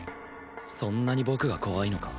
そんなに僕が怖いのか？